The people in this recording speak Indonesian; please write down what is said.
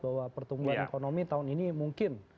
bahwa pertumbuhan ekonomi tahun ini mungkin